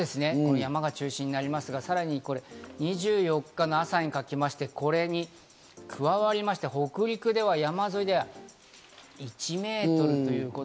山が中心ですが、そして２４日朝にかけまして、これに加わりまして、北陸では山沿いで１メートルということ。